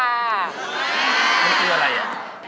มันคืออะไร